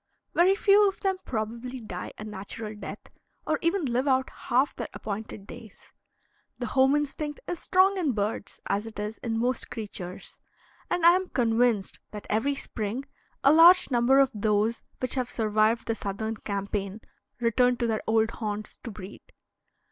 Very few of them probably die a natural death, or even live out half their appointed days. The home instinct is strong in birds as it is in most creatures; and I am convinced that every spring a large number of those which have survived the Southern campaign return to their old haunts to breed.